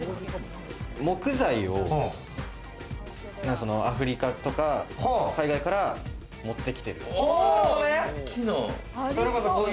木材をアフリカとか海外から持ってきてる。